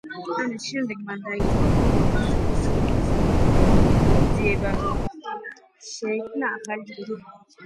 ამის შემდეგ მან დაიწყო მუსიკოსების ძიება, რომ შეექმნა ახალი ჯგუფი.